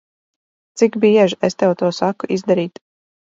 Cik bieži es tev to saku izdarīt?